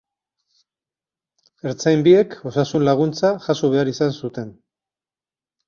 Ertzain biek osasun-laguntza jaso behar izan zuten.